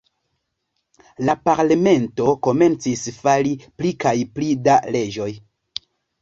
La parlamento komencis fari pli kaj pli da leĝoj.